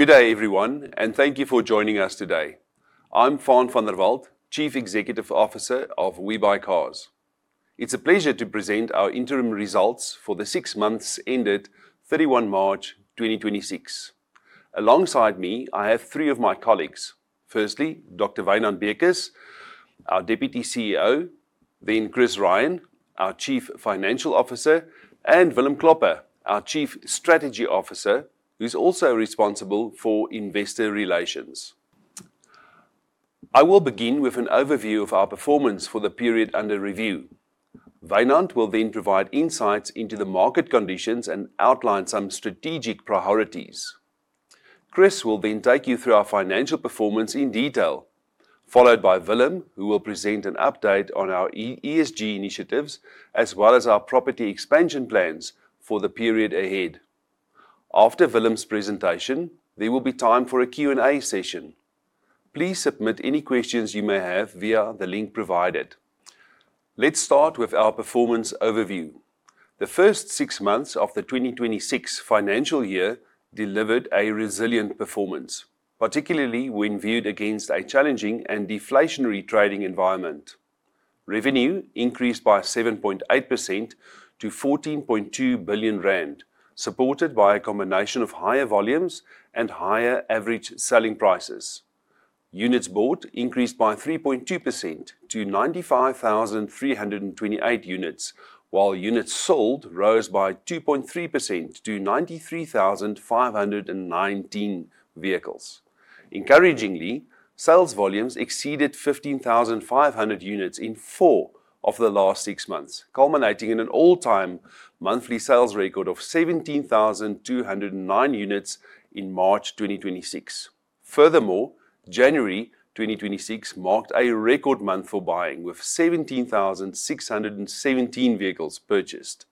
Good day everyone, thank you for joining us today. I'm Faan van der Walt, Chief Executive Officer of WeBuyCars. It's a pleasure to present our interim results for the 6 months ended 31 March 2026. Alongside me, I have three of my colleagues. Firstly, Dr. Wynand Beukes, our Deputy CEO, then Chris Rein, our Chief Financial Officer, and Willem Klopper, our Chief Strategy Officer, who's also responsible for investor relations. I will begin with an overview of our performance for the period under review. Wynand will provide insights into the market conditions and outline some strategic priorities. Chris will take you through our financial performance in detail, followed by Willem, who will present an update on our ESG initiatives as well as our property expansion plans for the period ahead. After Willem's presentation, there will be time for a Q&A session. Please submit any questions you may have via the link provided. Let's start with our performance overview. The first six months of the 2026 financial year delivered a resilient performance, particularly when viewed against a challenging and deflationary trading environment. Revenue increased by 7.8% to 14.2 billion rand, supported by a combination of higher volumes and higher average selling prices. Units bought increased by 3.2% to 95,328 units, while units sold rose by 2.3% to 93,519 vehicles. Encouragingly, sales volumes exceeded 15,500 units in four of the last six months, culminating in an all-time monthly sales record of 17,209 units in March 2026. Furthermore, January 2026 marked a record month for buying, with 17,617 vehicles purchased.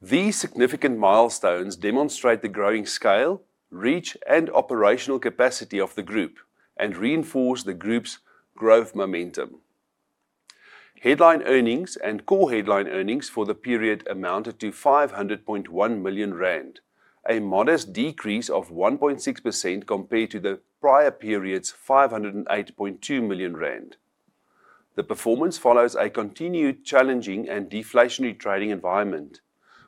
These significant milestones demonstrate the growing scale, reach, and operational capacity of the group and reinforce the group's growth momentum. Headline earnings and core headline earnings for the period amounted to 500.1 million rand, a modest decrease of 1.6% compared to the prior period's 508.2 million rand. The performance follows a continued challenging and deflationary trading environment,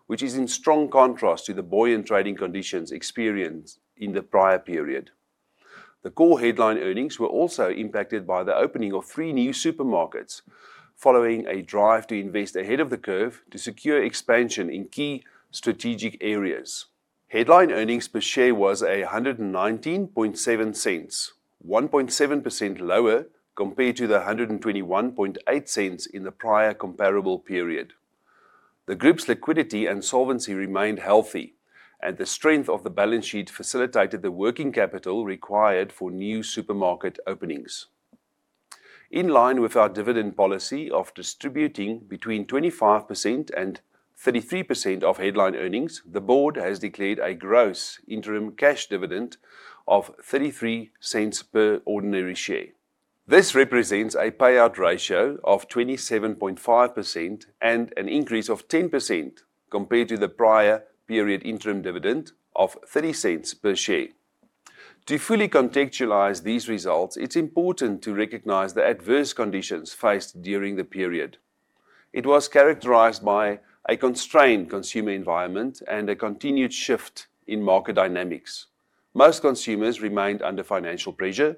which is in strong contrast to the buoyant trading conditions experienced in the prior period. The core headline earnings were also impacted by the opening of three new supermarkets following a drive to invest ahead of the curve to secure expansion in key strategic areas. Headline earnings per share was 1.197, 1.7% lower compared to the 1.218 in the prior comparable period. The group's liquidity and solvency remained healthy, and the strength of the balance sheet facilitated the working capital required for new supermarket openings. In line with our dividend policy of distributing between 25% and 33% of headline earnings, the board has declared a gross interim cash dividend of 0.33 per ordinary share. This represents a payout ratio of 27.5% and an increase of 10% compared to the prior period interim dividend of 0.03 per share. To fully contextualize these results, it is important to recognize the adverse conditions faced during the period. It was characterized by a constrained consumer environment and a continued shift in market dynamics. Most consumers remained under financial pressure,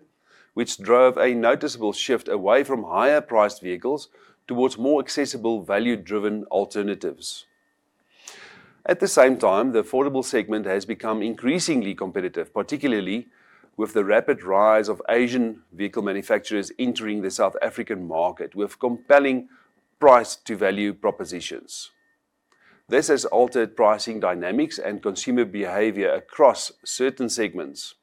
which drove a noticeable shift away from higher-priced vehicles towards more accessible, value-driven alternatives. At the same time, the affordable segment has become increasingly competitive, particularly with the rapid rise of Asian vehicle manufacturers entering the South African market with compelling price-to-value propositions. This has altered pricing dynamics and consumer behavior across certain segments.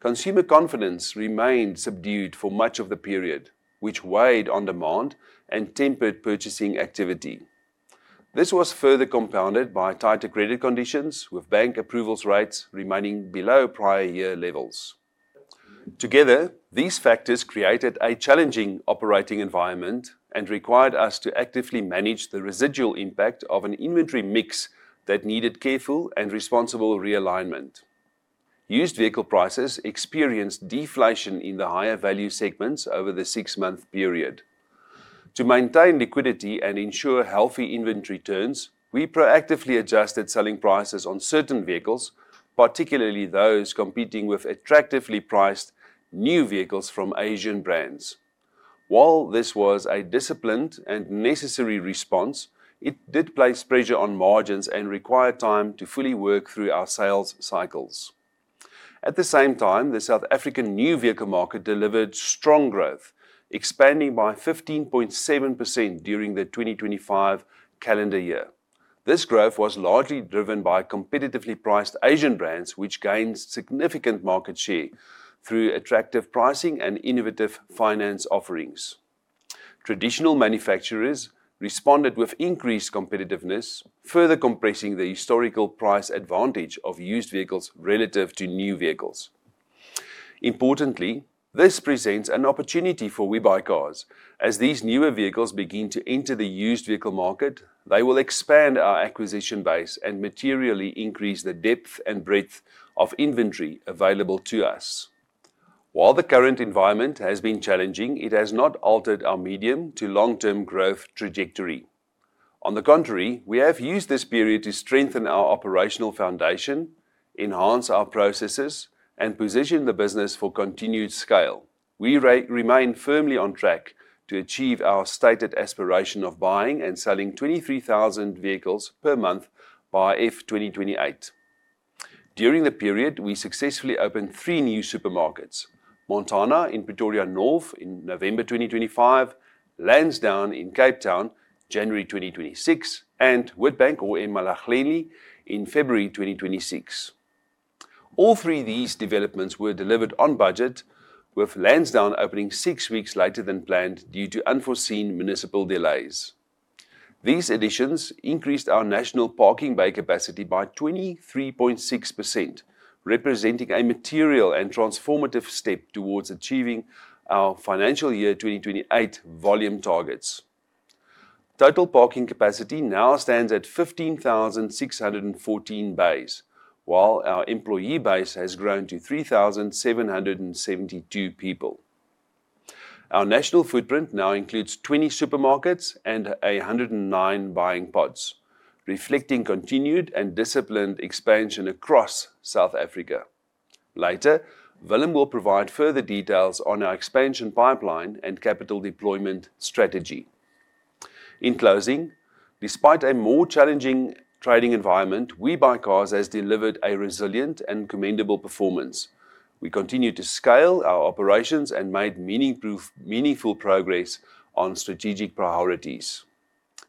Consumer confidence remained subdued for much of the period, which weighed on demand and tempered purchasing activity. This was further compounded by tighter credit conditions, with bank approvals rates remaining below prior year levels. Together, these factors created a challenging operating environment and required us to actively manage the residual impact of an inventory mix that needed careful and responsible realignment. Used vehicle prices experienced deflation in the higher value segments over the six-month period. To maintain liquidity and ensure healthy inventory turns, we proactively adjusted selling prices on certain vehicles, particularly those competing with attractively priced new vehicles from Asian brands. While this was a disciplined and necessary response, it did place pressure on margins and required time to fully work through our sales cycles. At the same time, the South African new vehicle market delivered strong growth, expanding by 15.7% during the 2025 calendar year. This growth was largely driven by competitively priced Asian brands, which gained significant market share through attractive pricing and innovative finance offerings. Traditional manufacturers responded with increased competitiveness, further compressing the historical price advantage of used vehicles relative to new vehicles. Importantly, this presents an opportunity for WeBuyCars. As these newer vehicles begin to enter the used vehicle market, they will expand our acquisition base and materially increase the depth and breadth of inventory available to us. While the current environment has been challenging, it has not altered our medium to long-term growth trajectory. On the contrary, we have used this period to strengthen our operational foundation, enhance our processes, and position the business for continued scale. We remain firmly on track to achieve our stated aspiration of buying and selling 23,000 vehicles per month by 2028. During the period, we successfully opened three new supermarkets: Montana in Pretoria North in November 2025, Lansdowne in Cape Town, January 2026, and Witbank or eMalahleni in February 2026. All three of these developments were delivered on budget, with Lansdowne opening 6 weeks later than planned due to unforeseen municipal delays. These additions increased our national parking bay capacity by 23.6%, representing a material and transformative step towards achieving our financial year 2028 volume targets. Total parking capacity now stands at 15,614 bays, while our employee base has grown to 3,772 people. Our national footprint now includes 20 supermarkets and 109 buying pods, reflecting continued and disciplined expansion across South Africa. Later, Willem will provide further details on our expansion pipeline and capital deployment strategy. In closing, despite a more challenging trading environment, WeBuyCars has delivered a resilient and commendable performance. We continue to scale our operations and made meaningful progress on strategic priorities.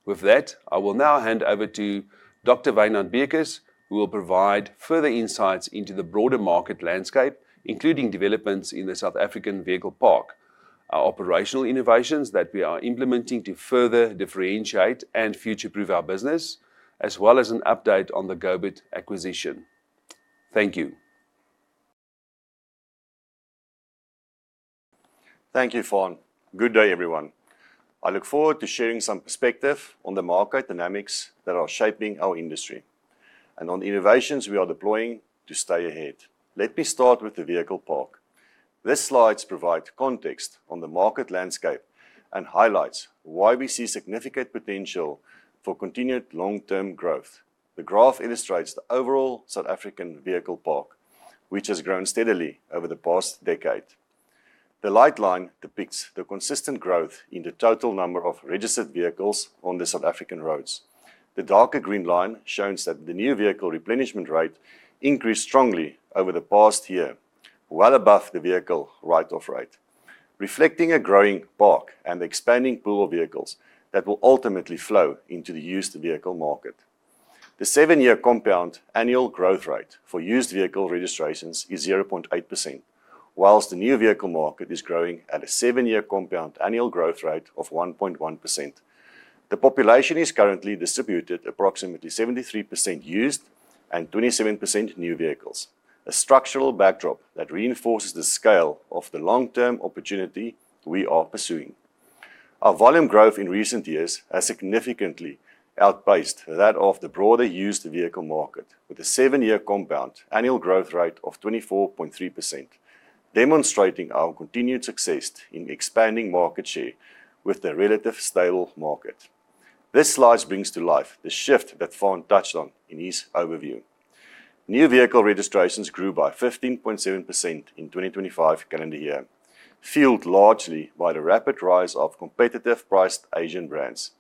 With that, I will now hand over to Dr. Wynand Beukes, who will provide further insights into the broader market landscape, including developments in the South African vehicle park, our operational innovations that we are implementing to further differentiate and future-proof our business, as well as an update on the GoBid acquisition. Thank you. Thank you, Faan. Good day, everyone. I look forward to sharing some perspective on the market dynamics that are shaping our industry and on the innovations we are deploying to stay ahead. Let me start with the vehicle park. These slides provide context on the market landscape and highlights why we see significant potential for continued long-term growth. The graph illustrates the overall South African vehicle park, which has grown steadily over the past decade. The light line depicts the consistent growth in the total number of registered vehicles on the South African roads. The darker green line shows that the new vehicle replenishment rate increased strongly over the past year, well above the vehicle write-off rate, reflecting a growing park and expanding pool of vehicles that will ultimately flow into the used vehicle market. The seven-year compound annual growth rate for used vehicle registrations is 0.8%, whilst the new vehicle market is growing at a seven-year compound annual growth rate of 1.1%. The population is currently distributed approximately 73% used and 27% new vehicles, a structural backdrop that reinforces the scale of the long-term opportunity we are pursuing. Our volume growth in recent years has significantly outpaced that of the broader used vehicle market, with a seven-year compound annual growth rate of 24.3%, demonstrating our continued success in expanding market share with the relative stable market. This slide brings to life the shift that Faan touched on in his overview. New vehicle registrations grew by 15.7% in 2025 calendar year, fueled largely by the rapid rise of competitive-priced Asian brands.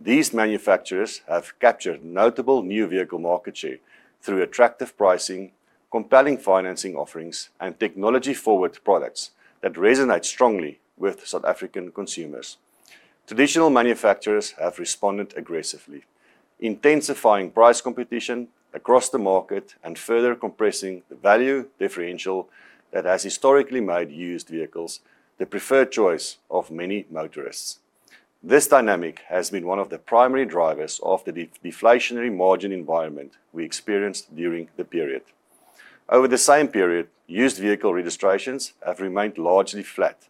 These manufacturers have captured notable new vehicle market share through attractive pricing, compelling financing offerings, and technology-forward products that resonate strongly with South African consumers. Traditional manufacturers have responded aggressively, intensifying price competition across the market and further compressing the value differential that has historically made used vehicles the preferred choice of many motorists. This dynamic has been one of the primary drivers of the deflationary margin environment we experienced during the period. Over the same period, used vehicle registrations have remained largely flat.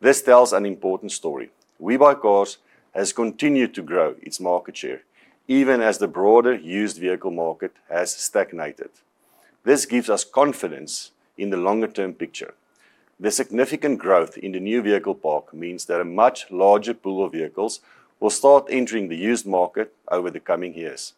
This tells an important story. WeBuyCars has continued to grow its market share, even as the broader used vehicle market has stagnated. This gives us confidence in the longer-term picture. The significant growth in the new vehicle park means that a much larger pool of vehicles will start entering the used market over the coming years.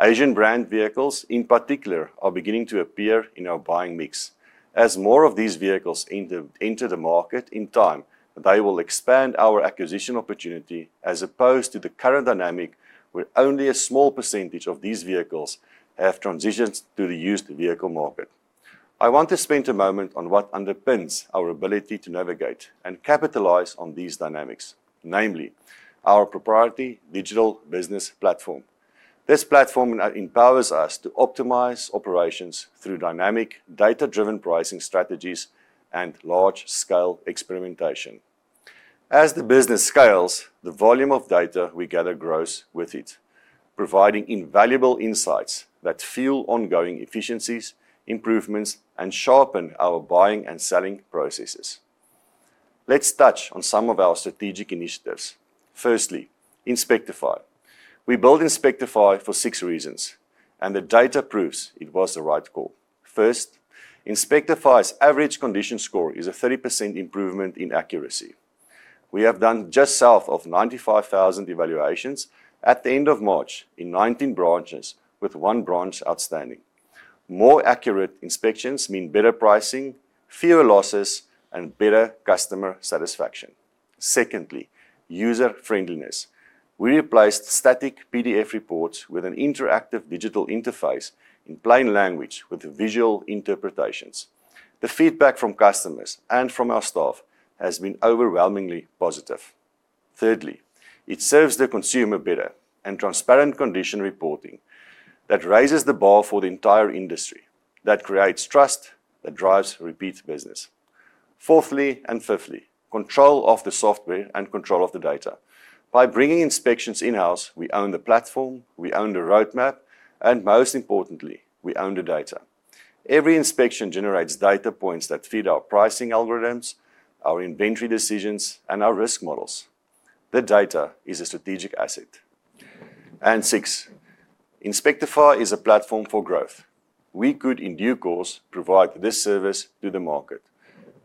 Asian brand vehicles, in particular, are beginning to appear in our buying mix. As more of these vehicles enter the market in time, they will expand our acquisition opportunity as opposed to the current dynamic, where only a small percentage of these vehicles have transitioned to the used vehicle market. I want to spend a moment on what underpins our ability to navigate and capitalize on these dynamics, namely our proprietary digital business platform. This platform empowers us to optimize operations through dynamic data-driven pricing strategies and large-scale experimentation. As the business scales, the volume of data we gather grows with it, providing invaluable insights that fuel ongoing efficiencies, improvements, and sharpen our buying and selling processes. Let's touch on some of our strategic initiatives. Firstly, Inspectify. We built Inspectify for six reasons, and the data proves it was the right call. First, Inspectify's average condition score is a 30% improvement in accuracy. We have done just south of 95,000 evaluations at the end of March in 19 branches with one branch outstanding. More accurate inspections mean better pricing, fewer losses, and better customer satisfaction. Secondly, user-friendliness. We replaced static PDF reports with an interactive digital interface in plain language with visual interpretations. The feedback from customers and from our staff has been overwhelmingly positive. Thirdly, it serves the consumer better and transparent condition reporting that raises the bar for the entire industry, that creates trust, that drives repeat business. Fourthly and fifthly, control of the software and control of the data. By bringing inspections in-house, we own the platform, we own the roadmap, and most importantly, we own the data. Every inspection generates data points that feed our pricing algorithms, our inventory decisions, and our risk models. The data is a strategic asset. six, Inspectify is a platform for growth. We could, in due course, provide this service to the market.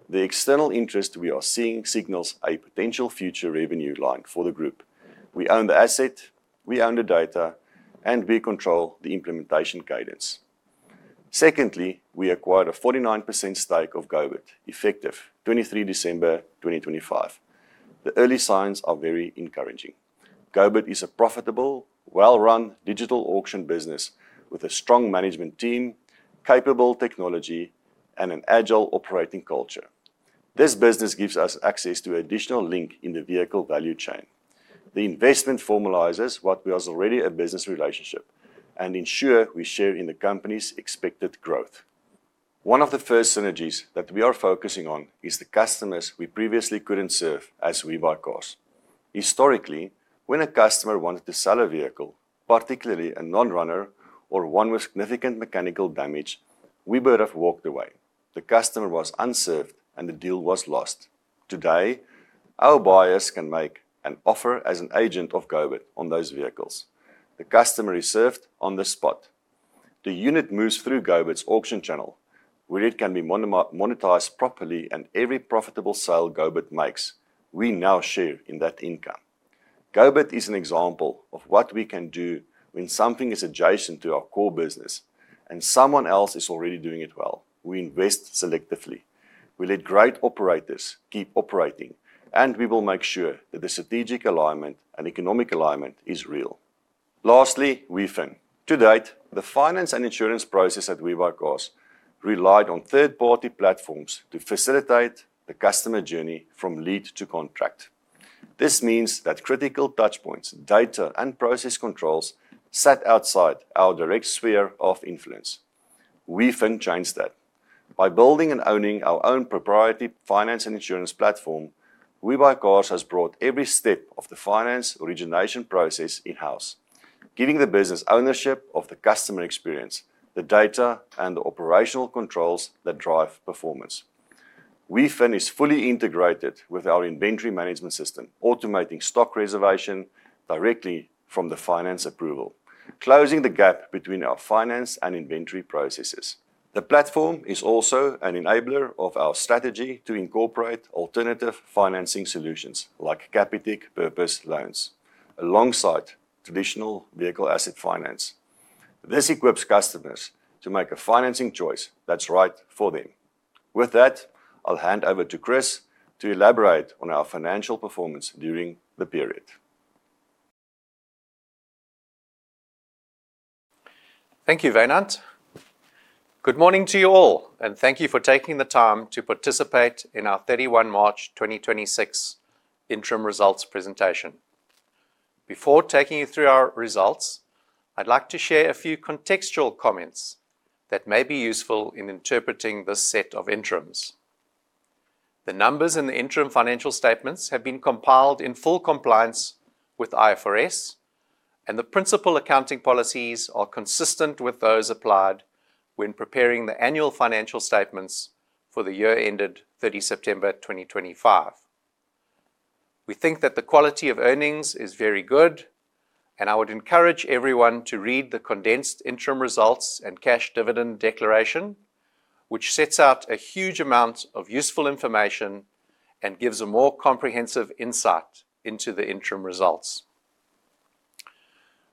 The external interest we are seeing signals a potential future revenue line for the group. We own the asset, we own the data, and we control the implementation cadence. Secondly, we acquired a 49% stake of GoBid, effective 23 December 2025. The early signs are very encouraging. GoBid is a profitable, well-run digital auction business with a strong management team, capable technology, and an agile operating culture. This business gives us access to additional link in the vehicle value chain. The investment formalizes what was already a business relationship and ensure we share in the company's expected growth. 1 of the first synergies that we are focusing on is the customers we previously couldn't serve as WeBuyCars. Historically, when a customer wanted to sell a vehicle, particularly a non-runner or one with significant mechanical damage, we would have walked away. The customer was unserved, and the deal was lost. Today, our buyers can make an offer as an agent of GoBid on those vehicles. The customer is served on the spot. The unit moves through GoBid's auction channel, where it can be monetized properly and every profitable sale GoBid makes, we now share in that income. GoBid is an example of what we can do when something is adjacent to our core business and someone else is already doing it well. We invest selectively. We let great operators keep operating, we will make sure that the strategic alignment and economic alignment is real. Lastly, WeFin. To date, the finance and insurance process at WeBuyCars relied on third-party platforms to facilitate the customer journey from lead to contract. This means that critical touch points, data, and process controls sat outside our direct sphere of influence. WeFin changed that. By building and owning our own proprietary finance and insurance platform, WeBuyCars has brought every step of the finance origination process in-house, giving the business ownership of the customer experience, the data, and the operational controls that drive performance. WeFin is fully integrated with our inventory management system, automating stock reservation directly from the finance approval, closing the gap between our finance and inventory processes. The platform is also an enabler of our strategy to incorporate alternative financing solutions like Capitec purpose loans alongside traditional vehicle asset finance. This equips customers to make a financing choice that's right for them. With that, I'll hand over to Chris to elaborate on our financial performance during the period. Thank you, Wynand. Good morning to you all, and thank you for taking the time to participate in our 31 March 2026 interim results presentation. Before taking you through our results, I'd like to share a few contextual comments that may be useful in interpreting this set of interims. The numbers in the interim financial statements have been compiled in full compliance with IFRS, and the principal accounting policies are consistent with those applied when preparing the annual financial statements for the year ended 30 September 2025. We think that the quality of earnings is very good, and I would encourage everyone to read the condensed interim results and cash dividend declaration, which sets out a huge amount of useful information and gives a more comprehensive insight into the interim results.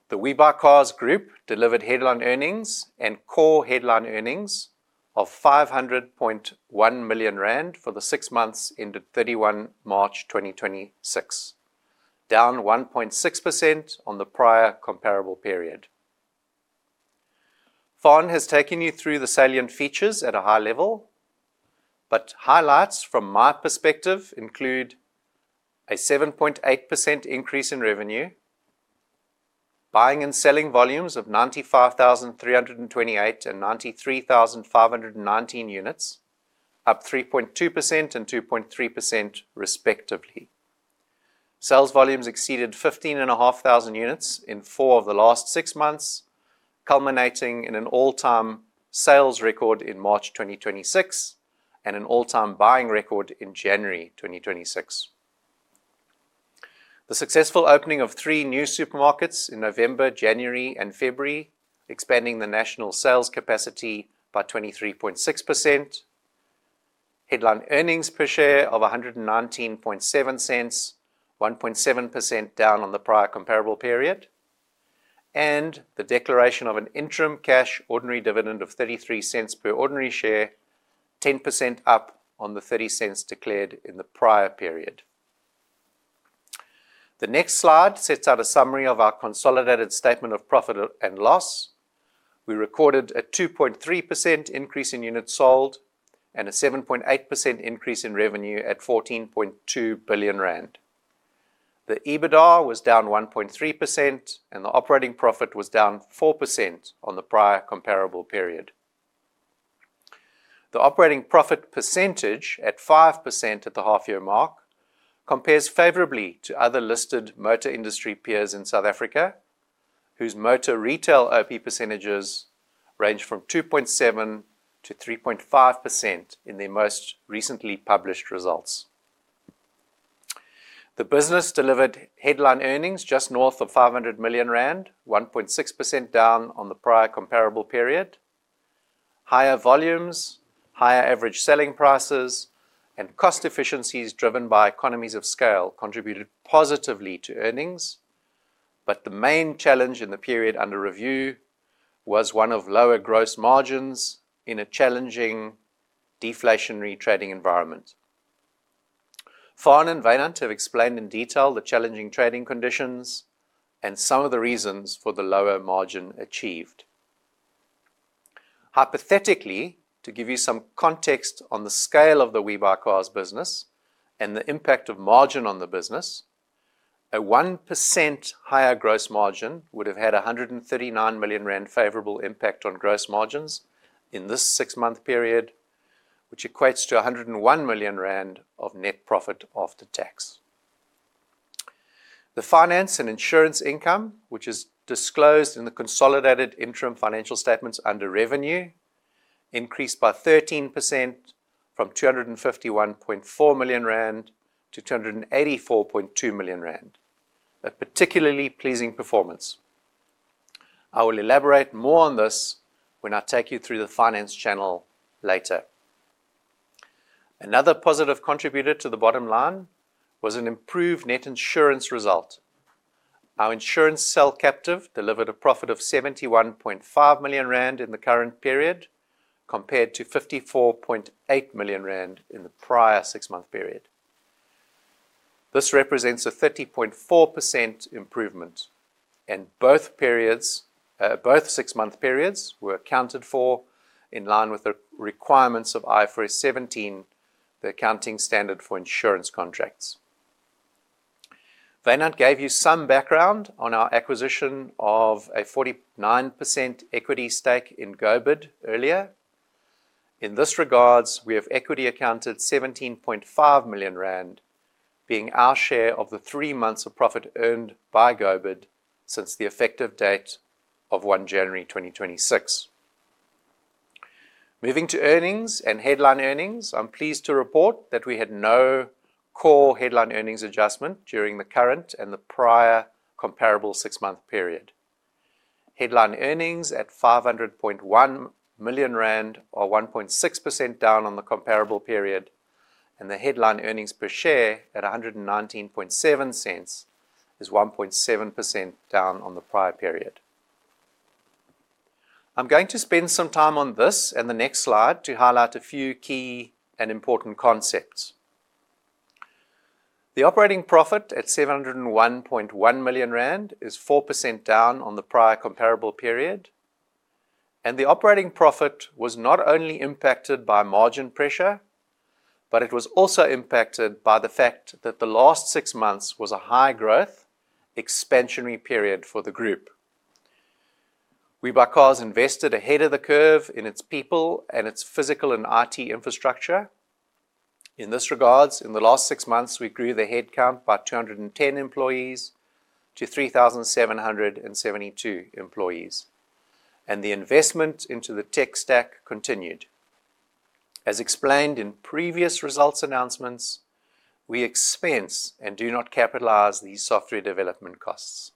The WeBuyCars Group delivered headline earnings and core headline earnings of 500.1 million rand for the six months ended 31 March 2026, down 1.6% on the prior comparable period. Faan has taken you through the salient features at a high level, but highlights from my perspective include a 7.8% increase in revenue. Buying and selling volumes of 95,328 and 93,519 units, up 3.2% and 2.3% respectively. Sales volumes exceeded 15,500 units in four of the last six months, culminating in an all-time sales record in March 2026 and an all-time buying record in January 2026. The successful opening of three new supermarkets in November, January, and February, expanding the national sales capacity by 23.6%. Headline earnings per share of 1.197, 1.7% down on the prior comparable period. The declaration of an interim cash ordinary dividend of 0.33 per ordinary share, 10% up on the 0.30 declared in the prior period. The next slide sets out a summary of our consolidated statement of profit and loss. We recorded a 2.3% increase in units sold and a 7.8% increase in revenue at 14.2 billion rand. The EBITDA was down 1.3% and the operating profit was down 4% on the prior comparable period. The operating profit percentage at 5% at the half year mark compares favorably to other listed motor industry peers in South Africa, whose motor retail OP percentages range from 2.7%-3.5% in their most recently published results. The business delivered headline earnings just north of 500 million rand, 1.6% down on the prior comparable period. Higher volumes, higher average selling prices and cost efficiencies driven by economies of scale contributed positively to earnings. The main challenge in the period under review was one of lower gross margins in a challenging deflationary trading environment. Faan and Wynand have explained in detail the challenging trading conditions and some of the reasons for the lower margin achieved. Hypothetically, to give you some context on the scale of the WeBuyCars business and the impact of margin on the business, a 1% higher gross margin would have had a 139 million rand favorable impact on gross margins in this six-month period, which equates to 101 million rand of net profit after tax. The finance and insurance income, which is disclosed in the consolidated interim financial statements under revenue, increased by 13% from 251.4 million rand to 284.2 million rand. A particularly pleasing performance. I will elaborate more on this when I take you through the finance channel later. Another positive contributor to the bottom line was an improved net insurance result. Our insurance cell captive delivered a profit of 71.5 million rand in the current period, compared to 54.8 million rand in the prior six-month period. This represents a 30.4% improvement. Both periods, both six-month periods were accounted for in line with the requirements of IFRS 17, the accounting standard for insurance contracts. Wynand gave you some background on our acquisition of a 49% equity stake in GoBid earlier. In this regards, we have equity accounted 17.5 million rand being our share of the three months of profit earned by GoBid since the effective date of 1 January 2026. Moving to earnings and headline earnings, I'm pleased to report that we had no core headline earnings adjustment during the current and the prior comparable six-month period. Headline earnings at 500.1 million rand or 1.6% down on the comparable period, and the headline earnings per share at 1.197 is 1.7% down on the prior period. I'm going to spend some time on this and the next slide to highlight a few key and important concepts. The operating profit at 701.1 million rand is 4% down on the prior comparable period. The operating profit was not only impacted by margin pressure, but it was also impacted by the fact that the last six months was a high growth expansionary period for the group. WeBuyCars invested ahead of the curve in its people and its physical and IT infrastructure. In this regards, in the last six months, we grew the headcount by 210 employees to 3,772 employees, the investment into the tech stack continued. As explained in previous results announcements, we expense and do not capitalize these software development costs.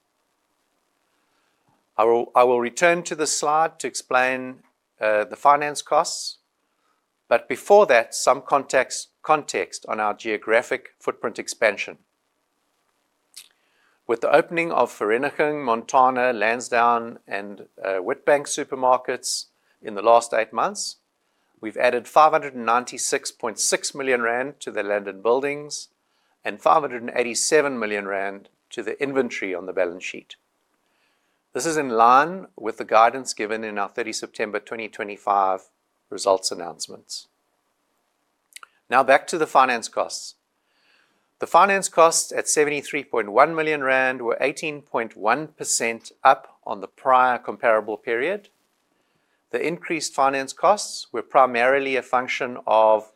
I will return to this slide to explain the finance costs, but before that, some context on our geographic footprint expansion. With the opening of Vereeniging, Montana, Lansdowne, and Witbank supermarkets in the last eight months, we've added 596.6 million rand to the landed buildings and 587 million rand to the inventory on the balance sheet. This is in line with the guidance given in our 30 September 2025 results announcements. Now back to the finance costs. The finance costs at 73.1 million rand were 18.1% up on the prior comparable period. The increased finance costs were primarily a function of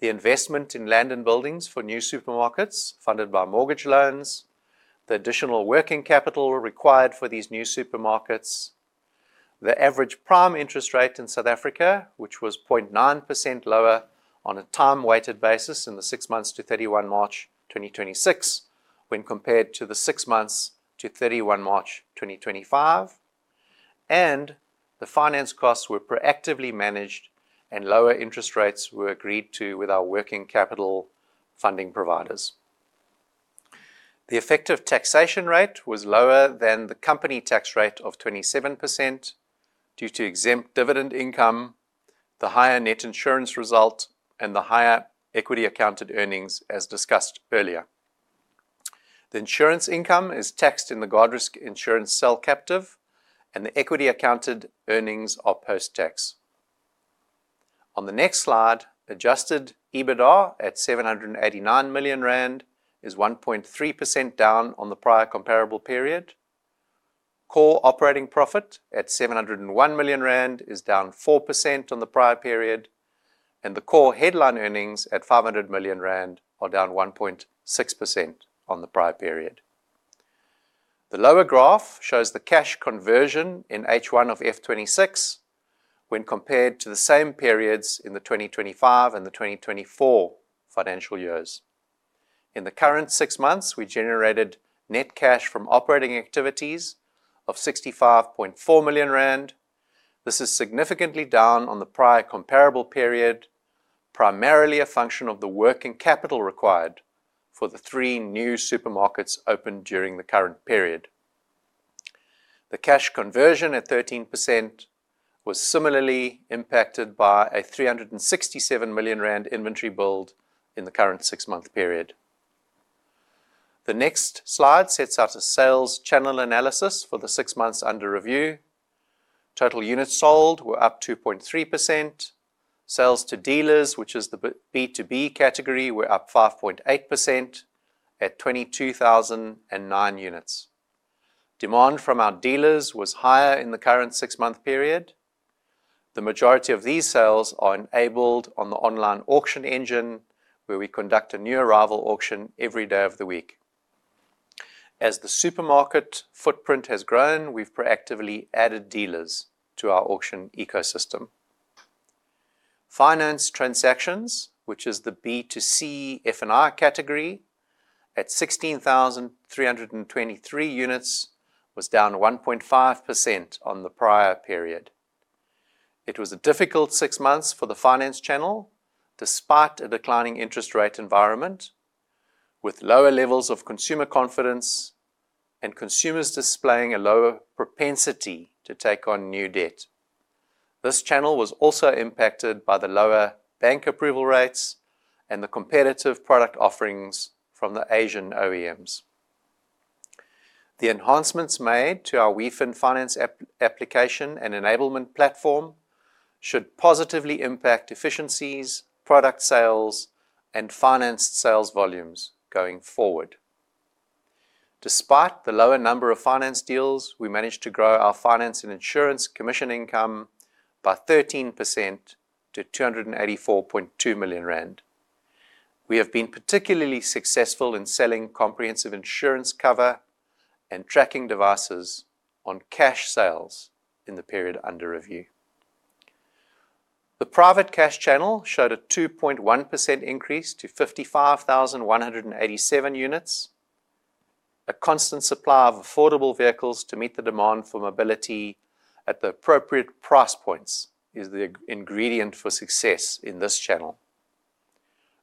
the investment in land and buildings for new supermarkets funded by mortgage loans, the additional working capital required for these new supermarkets, the average prime interest rate in South Africa, which was 0.9% lower on a time-weighted basis in the six months to 31 March 2026 when compared to the six months to 31 March 2025, and the finance costs were proactively managed and lower interest rates were agreed to with our working capital funding providers. The effective taxation rate was lower than the company tax rate of 27% due to exempt dividend income, the higher net insurance result, and the higher equity accounted earnings as discussed earlier. The insurance income is taxed in the Guardrisk insurance cell captive and the equity accounted earnings are post-tax. On the next slide, adjusted EBITDA at 789 million rand is 1.3% down on the prior comparable period. Core operating profit at 701 million rand is down 4% on the prior period, and the core headline earnings at 500 million rand are down 1.6% on the prior period. The lower graph shows the cash conversion in H1 of FY2026 when compared to the same periods in the 2025 and the 2024 financial years. In the current six months, we generated net cash from operating activities of 65.4 million rand. This is significantly down on the prior comparable period, primarily a function of the working capital required for the three new supermarkets opened during the current period. The cash conversion at 13% was similarly impacted by a 367 million rand inventory build in the current six-month period. The next slide sets out a sales channel analysis for the six months under review. Total units sold were up 2.3%. Sales to dealers, which is the B2B category, were up 5.8% at 22,009 units. Demand from our dealers was higher in the current six-month period. The majority of these sales are enabled on the online auction engine, where we conduct a new arrival auction every day of the week. As the supermarket footprint has grown, we've proactively added dealers to our auction ecosystem. Finance transactions, which is the B2C F&I category, at 16,323 units, was down 1.5% on the prior period. It was a difficult six months for the finance channel despite a declining interest rate environment with lower levels of consumer confidence and consumers displaying a lower propensity to take on new debt. This channel was also impacted by the lower bank approval rates and the competitive product offerings from the Asian OEMs. The enhancements made to our WeFin finance application and enablement platform should positively impact efficiencies, product sales, and financed sales volumes going forward. Despite the lower number of finance deals, we managed to grow our finance and insurance commission income by 13% to 284.2 million rand. We have been particularly successful in selling comprehensive insurance cover and tracking devices on cash sales in the period under review. The private cash channel showed a 2.1% increase to 55,187 units. A constant supply of affordable vehicles to meet the demand for mobility at the appropriate price points is the ingredient for success in this channel.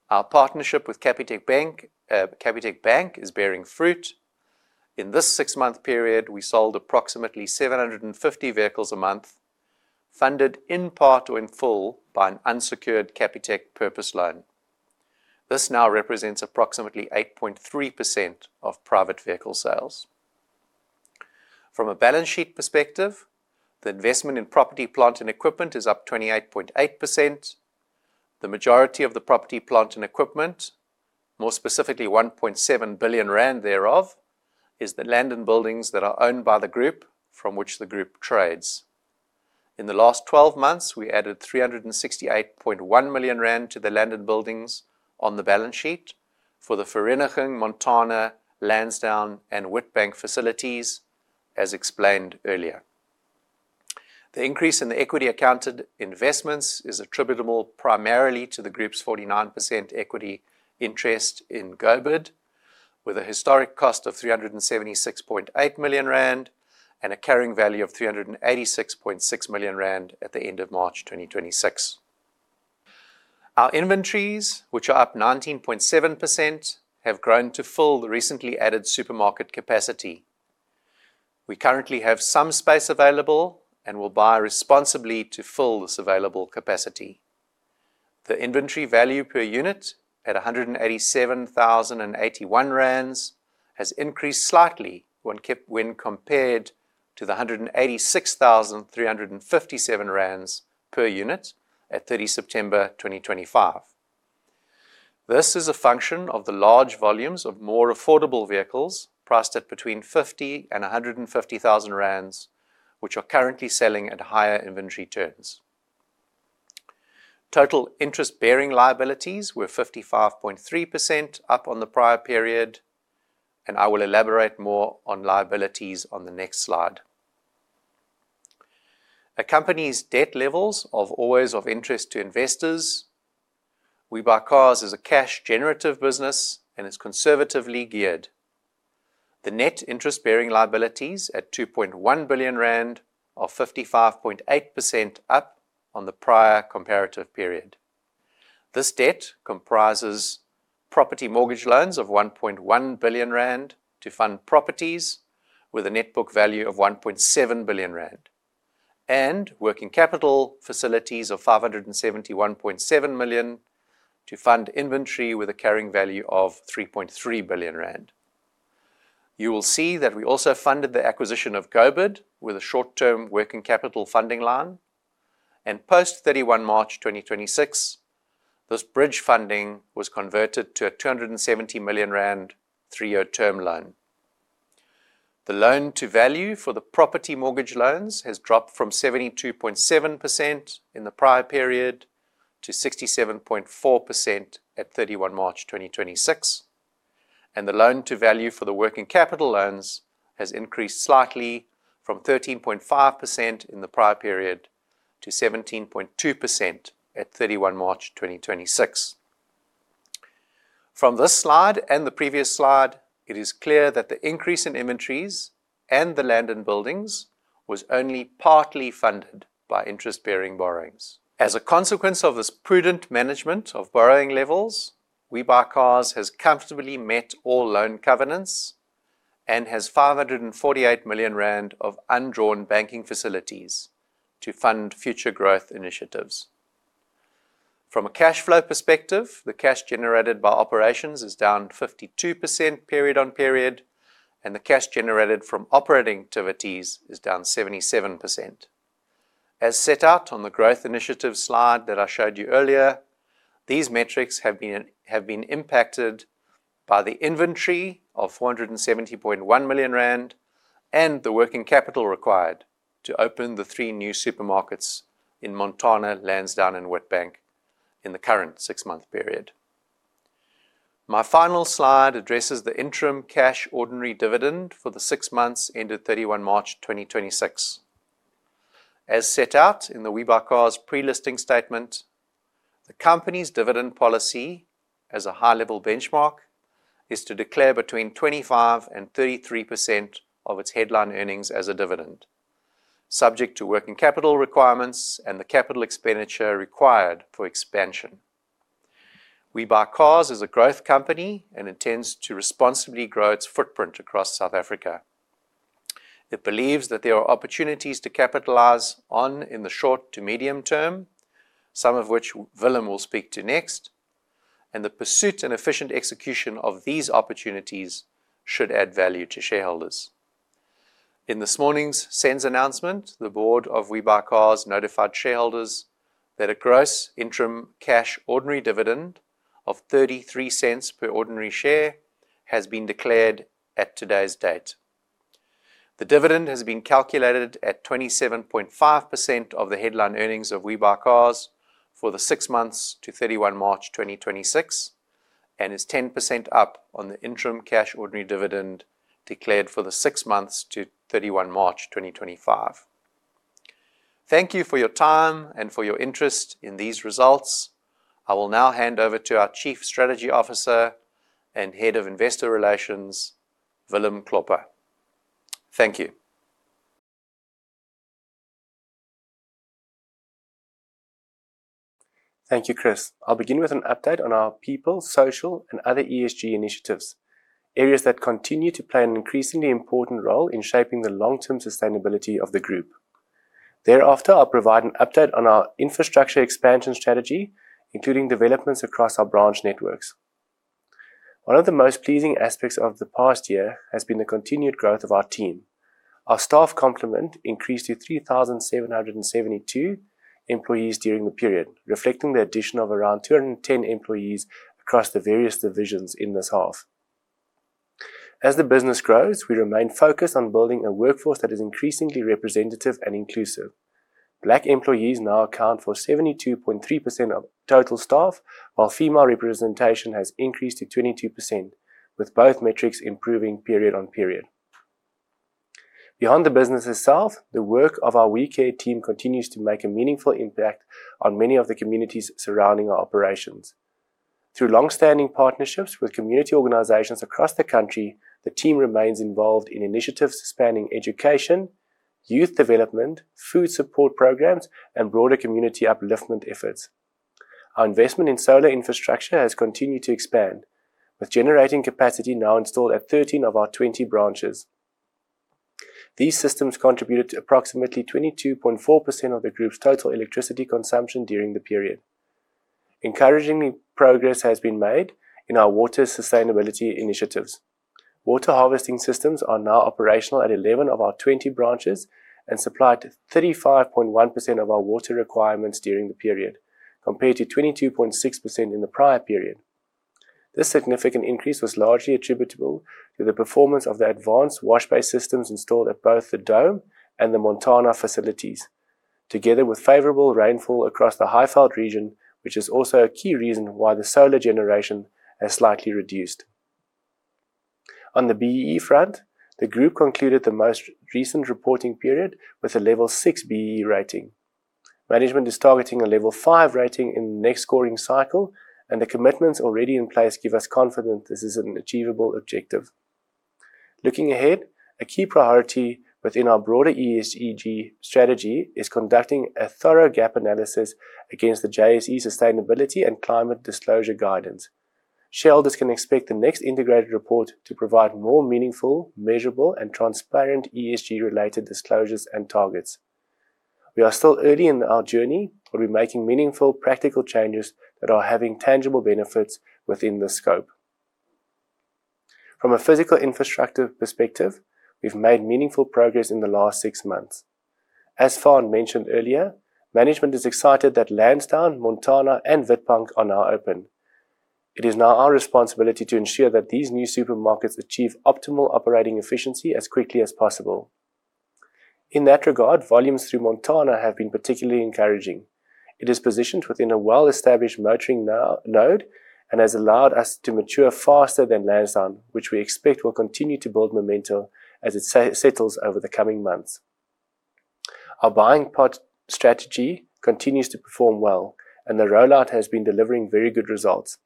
Our partnership with Capitec Bank, Capitec Bank is bearing fruit. In this six-month period, we sold approximately 750 vehicles a month, funded in part or in full by an unsecured Capitec purpose loan. This now represents approximately 8.3% of private vehicle sales. From a balance sheet perspective, the investment in property, plant, and equipment is up 28.8%. The majority of the property, plant, and equipment, more specifically 1.7 billion rand thereof, is the land and buildings that are owned by the group from which the group trades. In the last 12 months, we added 368.1 million rand to the land and buildings on the balance sheet for the Vereeniging, Montana, Lansdowne, and Witbank facilities as explained earlier. The increase in the equity accounted investments is attributable primarily to the group's 49% equity interest in GoBid, with a historic cost of 376.8 million rand and a carrying value of 386.6 million rand at the end of March 2026. Our inventories, which are up 19.7%, have grown to fill the recently added supermarket capacity. We currently have some space available and will buy responsibly to fill this available capacity. The inventory value per unit at 187,081 rand has increased slightly when compared to the 186,357 rand per unit at 30 September 2025. This is a function of the large volumes of more affordable vehicles priced at between 50,000 and 150,000 rand, which are currently selling at higher inventory turns. Total interest-bearing liabilities were 55.3% up on the prior period, I will elaborate more on liabilities on the next slide. A company's debt levels are always of interest to investors. WeBuyCars is a cash generative business and is conservatively geared. The net interest bearing liabilities at 2.1 billion rand are 55.8% up on the prior comparative period. This debt comprises property mortgage loans of 1.1 billion rand to fund properties with a net book value of 1.7 billion rand and working capital facilities of 571.7 million to fund inventory with a carrying value of 3.3 billion rand. You will see that we also funded the acquisition of GoBid with a short-term working capital funding line. Post 31 March 2026, this bridge funding was converted to a 270 million rand three-year term loan. The loan to value for the property mortgage loans has dropped from 72.7% in the prior period to 67.4% at 31 March 2026, and the loan to value for the working capital loans has increased slightly from 13.5% in the prior period to 17.2% at 31 March 2026. From this slide and the previous slide, it is clear that the increase in inventories and the land and buildings was only partly funded by interest bearing borrowings. As a consequence of this prudent management of borrowing levels, WeBuyCars has comfortably met all loan covenants and has 548 million rand of undrawn banking facilities to fund future growth initiatives. From a cash flow perspective, the cash generated by operations is down 52% period on period, and the cash generated from operating activities is down 77%. As set out on the growth initiatives slide that I showed you earlier, these metrics have been impacted by the inventory of 470.1 million rand and the working capital required to open the three new supermarkets in Montana, Lansdowne, and Witbank in the current 6-month period. My final slide addresses the interim cash ordinary dividend for the six months ended 31 March 2026. As set out in the WeBuyCars pre-listing statement, the company's dividend policy as a high-level benchmark is to declare between 25% and 33% of its headline earnings as a dividend, subject to working capital requirements and the capital expenditure required for expansion. WeBuyCars is a growth company and intends to responsibly grow its footprint across South Africa. It believes that there are opportunities to capitalize on in the short to medium term, some of which Willem will speak to next, and the pursuit and efficient execution of these opportunities should add value to shareholders. In this morning's SENS announcement, the board of WeBuyCars notified shareholders that a gross interim cash ordinary dividend of 0.33 per ordinary share has been declared at today's date. The dividend has been calculated at 27.5% of the headline earnings of WeBuyCars for the six months to 31 March 2026 and is 10% up on the interim cash ordinary dividend declared for the six months to 31 March 2025. Thank you for your time and for your interest in these results. I will now hand over to our Chief Strategy Officer and Head of Investor Relations, Willem Klopper. Thank you. Thank you, Chris. I'll begin with an update on our people, social, and other ESG initiatives, areas that continue to play an increasingly important role in shaping the long-term sustainability of the group. Thereafter, I'll provide an update on our infrastructure expansion strategy, including developments across our branch networks. One of the most pleasing aspects of the past year has been the continued growth of our team. Our staff complement increased to 3,772 employees during the period, reflecting the addition of around 210 employees across the various divisions in this half. As the business grows, we remain focused on building a workforce that is increasingly representative and inclusive. Black employees now account for 72.3% of total staff while female representation has increased to 22%, with both metrics improving period on period. Beyond the business itself, the work of our WeCare team continues to make a meaningful impact on many of the communities surrounding our operations. Through long-standing partnerships with community organizations across the country, the team remains involved in initiatives spanning education, youth development, food support programs, and broader community upliftment efforts. Our investment in solar infrastructure has continued to expand, with generating capacity now installed at 13 of our 20 branches. These systems contributed to approximately 22.4% of the group's total electricity consumption during the period. Encouragingly, progress has been made in our water sustainability initiatives. Water harvesting systems are now operational at 11 of our 20 branches and supplied 35.1% of our water requirements during the period, compared to 22.6% in the prior period. This significant increase was largely attributable to the performance of the advanced wash bay systems installed at both the Dome and the Montana facilities, together with favorable rainfall across the Highveld region, which is also a key reason why the solar generation has slightly reduced. On the BEE front, the group concluded the most recent reporting period with a level 6 BEE rating. Management is targeting a level 5 rating in the next scoring cycle. The commitments already in place give us confidence this is an achievable objective. Looking ahead, a key priority within our broader ESG strategy is conducting a thorough gap analysis against the JSE sustainability and climate disclosure guidance. Shareholders can expect the next integrated report to provide more meaningful, measurable, and transparent ESG-related disclosures and targets. We are still early in our journey, but we're making meaningful, practical changes that are having tangible benefits within the scope. From a physical infrastructure perspective, we've made meaningful progress in the last six months. As Faan mentioned earlier, management is excited that Lansdowne, Montana, and Witbank are now open. It is now our responsibility to ensure that these new supermarkets achieve optimal operating efficiency as quickly as possible. In that regard, volumes through Montana have been particularly encouraging. It is positioned within a well-established motoring node and has allowed us to mature faster than Lansdowne, which we expect will continue to build momentum as it settles over the coming months. Our buying pod strategy continues to perform well, and the rollout has been delivering very good results.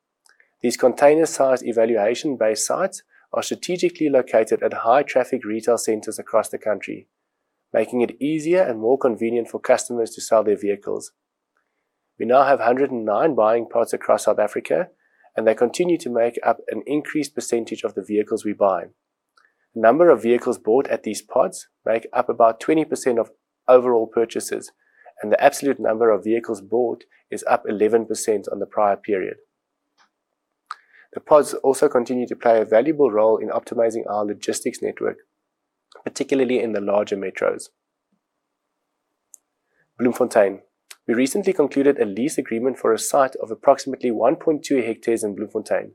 These container-sized evaluation-based sites are strategically located at high-traffic retail centers across the country, making it easier and more convenient for customers to sell their vehicles. We now have 109 buying pods across South Africa, and they continue to make up an increased percentage of the vehicles we buy. The number of vehicles bought at these pods make up about 20% of overall purchases, and the absolute number of vehicles bought is up 11% on the prior period. The pods also continue to play a valuable role in optimizing our logistics network, particularly in the larger metros. Bloemfontein. We recently concluded a lease agreement for a site of approximately 1.2 hectares in Bloemfontein.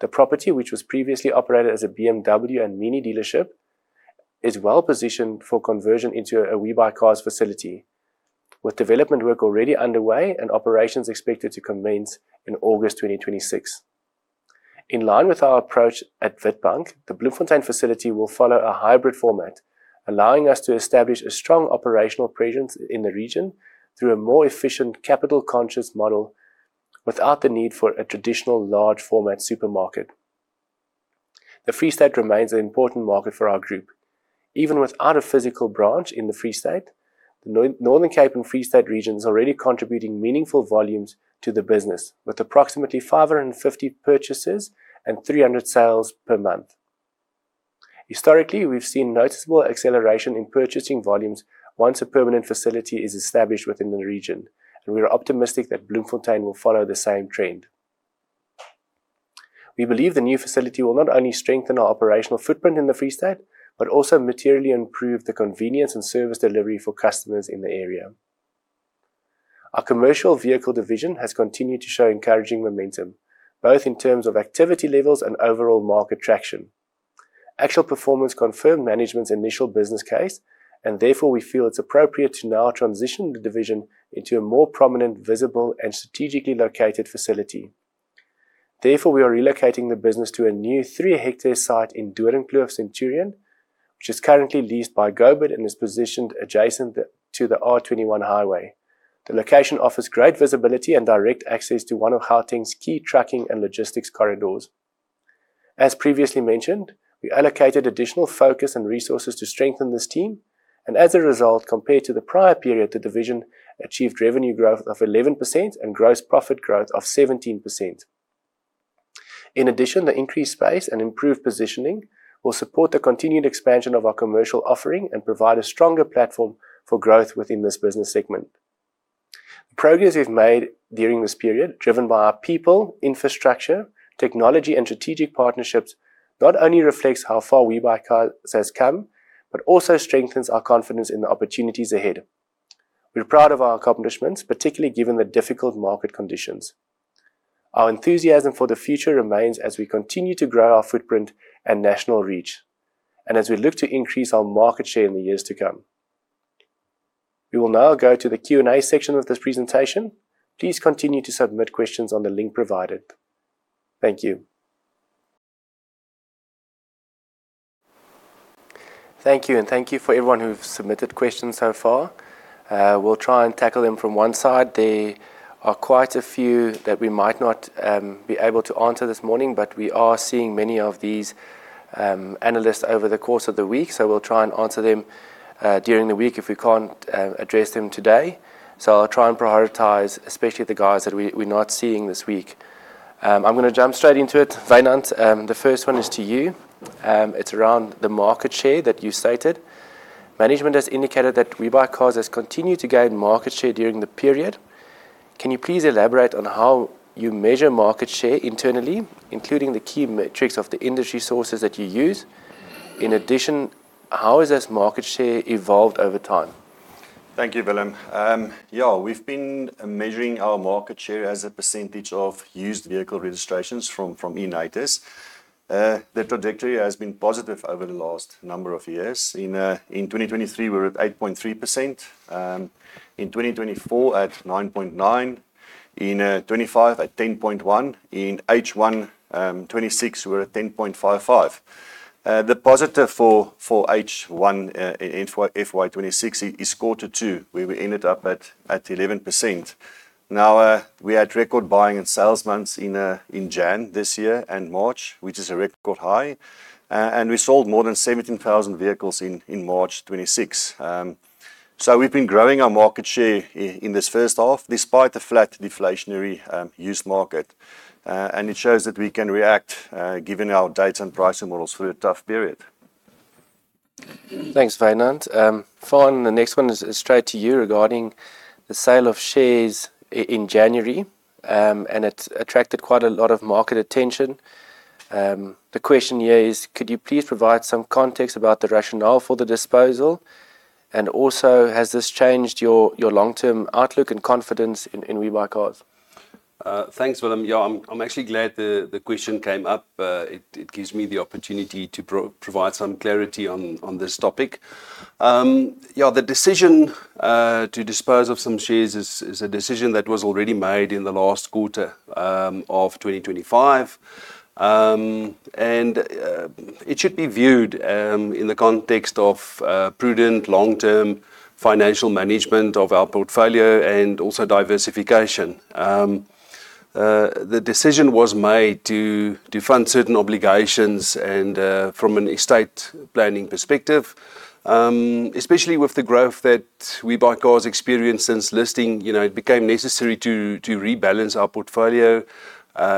The property, which was previously operated as a BMW and Mini dealership, is well-positioned for conversion into a WeBuyCars facility, with development work already underway and operations expected to commence in August 2026. In line with our approach at Witbank, the Bloemfontein facility will follow a hybrid format, allowing us to establish a strong operational presence in the region through a more efficient, capital-conscious model without the need for a traditional large format supermarket. The Free State remains an important market for our group. Even without a physical branch in the Free State, the Northern Cape and Free State region is already contributing meaningful volumes to the business with approximately 550 purchases and 300 sales per month. Historically, we've seen noticeable acceleration in purchasing volumes once a permanent facility is established within the region, and we are optimistic that Bloemfontein will follow the same trend. We believe the new facility will not only strengthen our operational footprint in the Free State but also materially improve the convenience and service delivery for customers in the area. Our commercial vehicle division has continued to show encouraging momentum, both in terms of activity levels and overall market traction. Actual performance confirmed management's initial business case, and therefore, we feel it's appropriate to now transition the division into a more prominent, visible, and strategically located facility. Therefore, we are relocating the business to a new 3-hectare site in Doornkloof Centurion, which is currently leased by GoBid and is positioned adjacent to the R21 highway. The location offers great visibility and direct access to one of Gauteng's key trucking and logistics corridors. As previously mentioned, we allocated additional focus and resources to strengthen this team. As a result, compared to the prior period, the division achieved revenue growth of 11% and gross profit growth of 17%. In addition, the increased space and improved positioning will support the continued expansion of our commercial offering and provide a stronger platform for growth within this business segment. The progress we've made during this period, driven by our people, infrastructure, technology, and strategic partnerships not only reflects how far WeBuyCars has come but also strengthens our confidence in the opportunities ahead. We're proud of our accomplishments, particularly given the difficult market conditions. Our enthusiasm for the future remains as we continue to grow our footprint and national reach. As we look to increase our market share in the years to come, we will now go to the Q&A section of this presentation. Please continue to submit questions on the link provided. Thank you. Thank you. Thank you for everyone who've submitted questions so far. We'll try and tackle them from one side. There are quite a few that we might not be able to answer this morning, but we are seeing many of these analysts over the course of the week, so we'll try and answer them during the week if we can't address them today. I'll try and prioritize, especially the guys that we're not seeing this week. I'm gonna jump straight into it. Wynand, the first one is to you. It's around the market share that you stated. Management has indicated that WeBuyCars has continued to gain market share during the period. Can you please elaborate on how you measure market share internally, including the key metrics of the industry sources that you use? In addition, how has this market share evolved over time? Thank you, Willem. We've been measuring our market share as a percentage of used vehicle registrations from eNaTIS. The trajectory has been positive over the last number of years. In 2023 we were at 8.3%. In 2024 at 9.9%. In 2025 at 10.1%. In H1 2026 we were at 10.55%. The positive for H1 in FY2026 is quarter two, where we ended up at 11%. Now, we had record buying and sales months in Jan this year and March, which is a record high. We sold more than 17,000 vehicles in March 2026. We've been growing our market share in this first half, despite the flat deflationary used market. It shows that we can react, given our data and pricing models through a tough period. Thanks, Wynand. Faan, the next one is straight to you regarding the sale of shares in January. It attracted quite a lot of market attention. The question here is, could you please provide some context about the rationale for the disposal? Also, has this changed your long-term outlook and confidence in WeBuyCars? Thanks, Willem. Yeah, I'm actually glad the question came up. It gives me the opportunity to provide some clarity on this topic. Yeah, the decision to dispose of some shares is a decision that was already made in the last quarter of 2025. It should be viewed in the context of prudent long-term financial management of our portfolio and also diversification. The decision was made to fund certain obligations and from an estate planning perspective. Especially with the growth that WeBuyCars experienced since listing, you know, it became necessary to rebalance our portfolio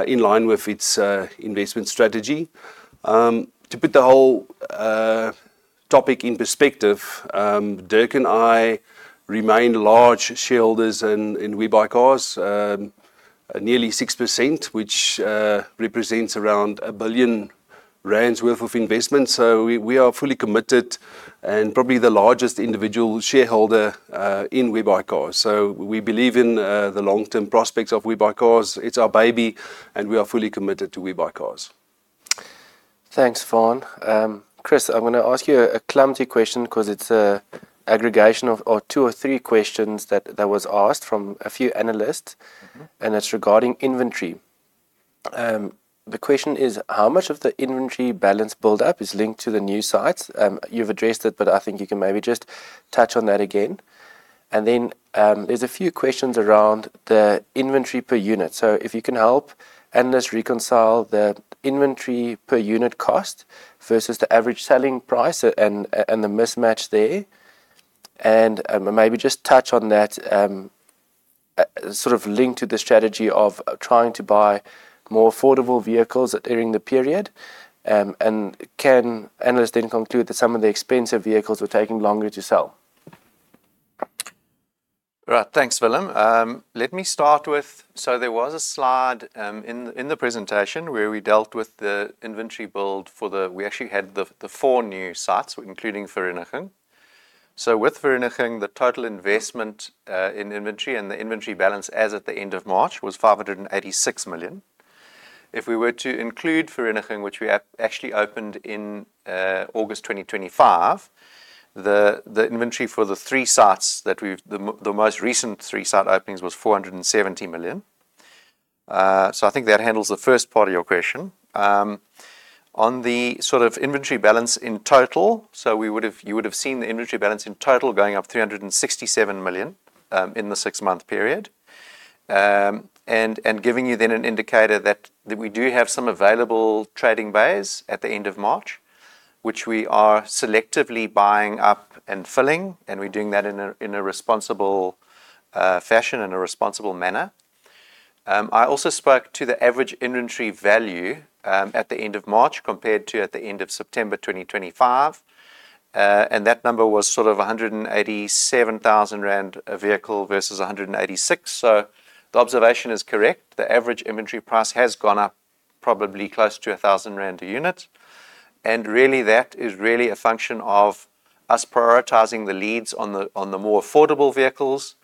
in line with its investment strategy. To put the whole topic in perspective, Dirk and I remain large shareholders in WeBuyCars. Nearly 6%, which represents around 1 billion rand worth of investment. We are fully committed and probably the largest individual shareholder, in WeBuyCars. We believe in the long-term prospects of WeBuyCars. It's our baby, and we are fully committed to WeBuyCars. Thanks, Faan. Chris, I'm gonna ask you a clumsy question because it's a aggregation of two or three questions that was asked from a few analysts. It's regarding inventory. The question is, how much of the inventory balance build up is linked to the new sites? You've addressed it, but I think you can maybe just touch on that again. Then, there's a few questions around the inventory per unit. If you can help analysts reconcile the inventory per unit cost versus the average selling price and the mismatch there. Maybe just touch on that, sort of linked to the strategy of trying to buy more affordable vehicles during the period. Can analysts then conclude that some of the expensive vehicles were taking longer to sell? Right. Thanks, Willem. Let me start with, there was a slide in the presentation where we dealt with the inventory build for the We actually had the four new sites, including Vereeniging. With Vereeniging, the total investment in inventory and the inventory balance as at the end of March was 586 million. If we were to include Vereeniging, which we actually opened in August 2025, the inventory for the three sites that we've The most recent three site openings was 470 million. I think that handles the first part of your question. On the sort of inventory balance in total, we would have you would have seen the inventory balance in total going up 367 million in the six-month period. Giving you then an indicator that we do have some available trading bays at the end of March, which we are selectively buying up and filling, and we're doing that in a responsible fashion, in a responsible manner. I also spoke to the average inventory value at the end of March compared to at the end of September 2025. That number was sort of 187,000 rand a vehicle versus 186,000. The observation is correct. The average inventory price has gone up probably close to 1,000 rand a unit. That is really a function of us prioritizing the leads on the more affordable vehicles,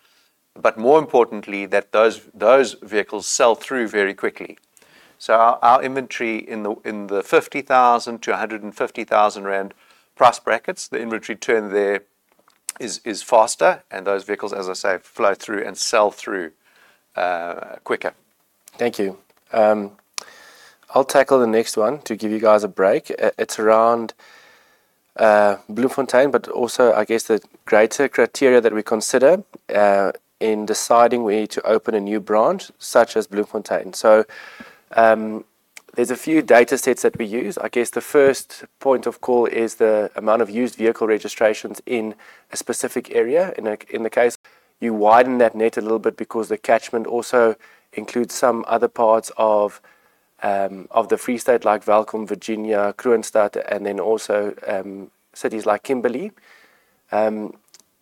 but more importantly, that those vehicles sell through very quickly. Our inventory in the 50,000-150,000 rand price brackets, the inventory turn there is faster, and those vehicles, as I say, flow through and sell through quicker. Thank you. I'll tackle the next one to give you guys a break. It's around Bloemfontein, also I guess the greater criteria that we consider in deciding we need to open a new branch such as Bloemfontein. There's a few datasets that we use. I guess the first point of call is the amount of used vehicle registrations in a specific area. In the case, you widen that net a little bit because the catchment also includes some other parts of the Free State, like Welkom, Virginia, Kroonstad, and then also cities like Kimberley.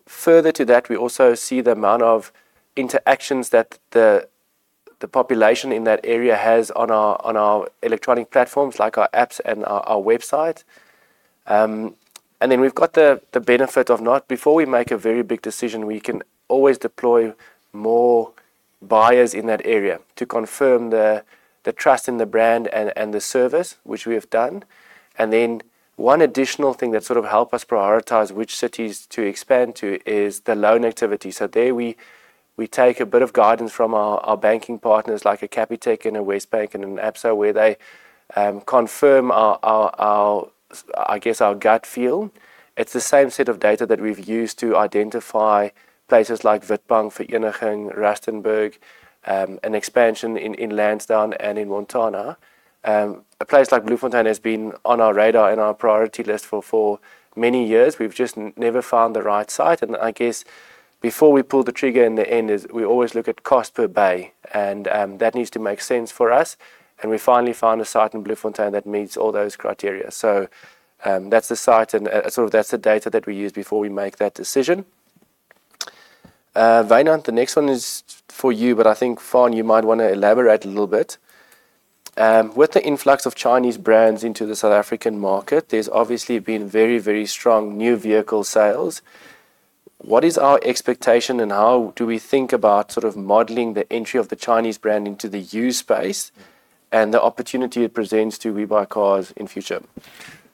Further to that, we also see the amount of interactions that the population in that area has on our electronic platforms, like our apps and our website. Before we make a very big decision, we can always deploy more buyers in that area to confirm the trust in the brand and the service, which we have done. One additional thing that sort of help us prioritize which cities to expand to is the loan activity. There we take a bit of guidance from our banking partners like a Capitec and a WesBank and an Absa, where they confirm our gut feel. It's the same set of data that we've used to identify places like Witbank, Vereeniging, Rustenburg, an expansion in Lansdowne and in Montana. A place like Bloemfontein has been on our radar and our priority list for many years. We've just never found the right site. I guess before we pull the trigger in the end is we always look at cost per bay and that needs to make sense for us, and we finally found a site in Bloemfontein that meets all those criteria. That's the site and sort of that's the data that we use before we make that decision. Wynand, the next one is for you, but I think, Faan, you might wanna elaborate a little bit. With the influx of Chinese brands into the South African market, there's obviously been very, very strong new vehicle sales. What is our expectation and how do we think about sort of modeling the entry of the Chinese brand into the used space and the opportunity it presents to WeBuyCars in future?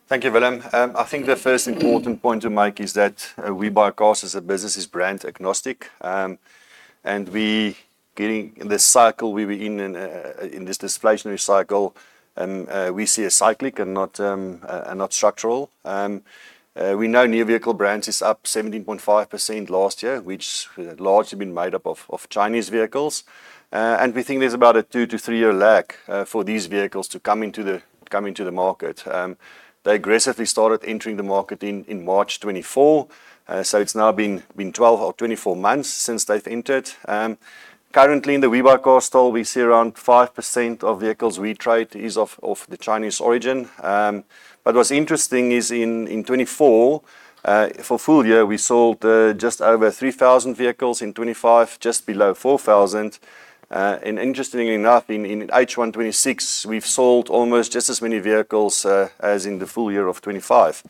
Thank you, Willem. I think the first important point to make is that WeBuyCars as a business is brand agnostic. In this deflationary cycle, we see a cyclic and not structural. We know new vehicle brands is up 17.5% last year, which largely been made up of Chinese vehicles. We think there's about a two to three-year lag for these vehicles to come into the market. They aggressively started entering the market in March 2024, so it's now been 12 or 24 months since they've entered. Currently in the WeBuyCars store, we see around 5% of vehicles we trade is of the Chinese origin. What's interesting is in 2024, for full-year, we sold just over 3,000 vehicles, in 2025, just below 4,000. Interestingly enough, in H1 2026, we've sold almost just as many vehicles as in the full-year of 2025.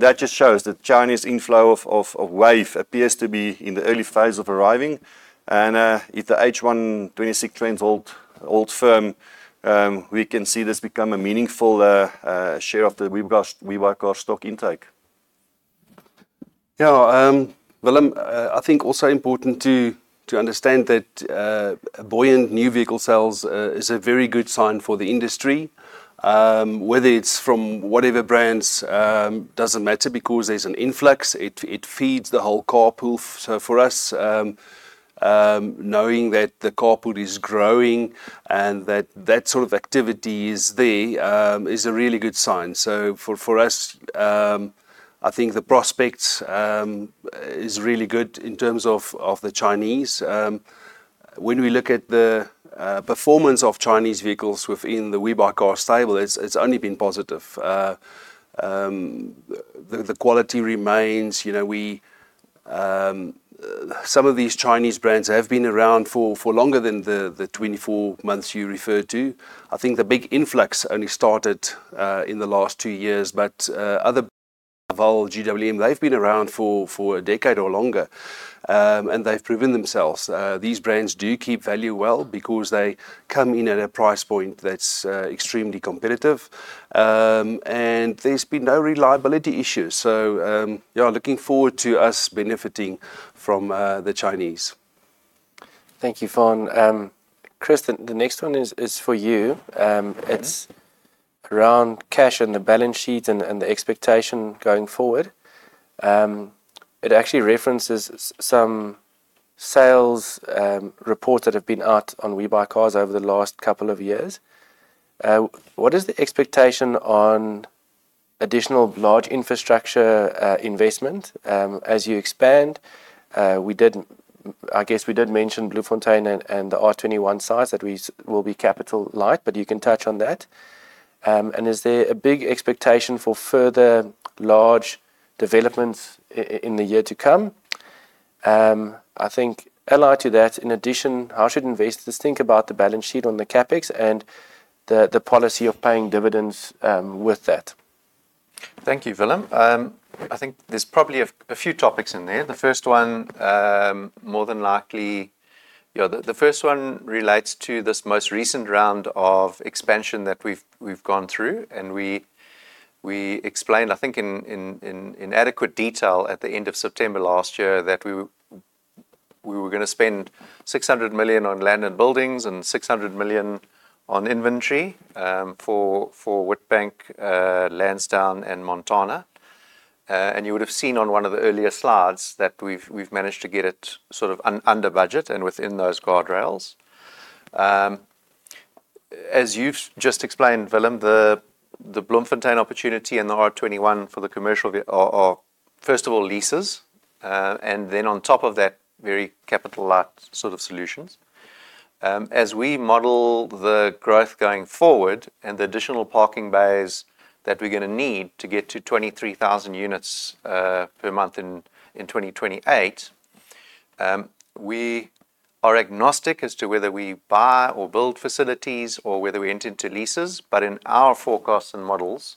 That just shows that Chinese inflow of wave appears to be in the early phase of arriving. If the H1 2026 trends hold firm, we can see this become a meaningful share of the WeBuyCars stock intake. Willem, I think also important to understand that a buoyant new vehicle sales is a very good sign for the industry. Whether it's from whatever brands, doesn't matter because there's an influx, it feeds the whole car pool. For us, knowing that the car pool is growing and that sort of activity is there, is a really good sign. For us, I think the prospects is really good in terms of the Chinese. When we look at the performance of Chinese vehicles within the WeBuyCars stable, it's only been positive. The quality remains. You know, we some of these Chinese brands have been around for longer than the 24 months you referred to. I think the big influx only started in the last two years. Other Haval, GWM, they've been around for 10 years or longer, and they've proven themselves. These brands do keep value well because they come in at a price point that's extremely competitive. There's been no reliability issues, so, yeah, looking forward to us benefiting from the Chinese. Thank you, Faan. Chris, the next one is for you. It's around cash and the balance sheet and the expectation going forward. It actually references some sales reports that have been out on WeBuyCars over the last couple of years. What is the expectation on additional large infrastructure investment as you expand? We did mention Bloemfontein and the R21 sites that we will be capital light, but you can touch on that. Is there a big expectation for further large developments in the year to come? I think allied to that, in addition, how should investors think about the balance sheet on the CapEx and the policy of paying dividends with that? Thank you, Willem. I think there's probably a few topics in there. The first one, more than likely, you know, the first one relates to this most recent round of expansion that we've gone through, and we explained, I think in adequate detail at the end of September last year that we were gonna spend 600 million on land and buildings and 600 million on inventory for Witbank, Lansdowne and Montana. You would have seen on one of the earlier slides that we've managed to get it sort of under budget and within those guardrails. As you've just explained, Willem, the Bloemfontein opportunity and the R21 for the commercial are first of all leases, and then on top of that, very capital light sort of solutions. As we model the growth going forward and the additional parking bays that we're gonna need to get to 23,000 units per month in 2028, we are agnostic as to whether we buy or build facilities or whether we enter into leases. In our forecasts and models,